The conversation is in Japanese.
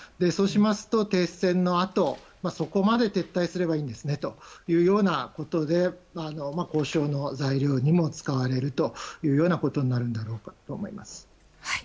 そうしますと停戦のあとそこまで撤退すればいいということで交渉の材料にも使われるというようなことになるんだと思います。